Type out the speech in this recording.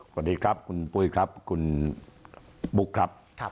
สวัสดีครับคุณปุ้ยครับคุณบุ๊คครับ